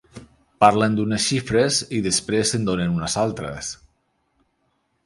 Parlen d’unes xifres i després en donen unes altres.